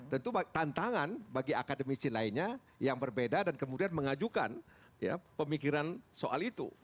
tentu tantangan bagi akademisi lainnya yang berbeda dan kemudian mengajukan pemikiran soal itu